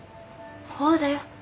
ほうだよ。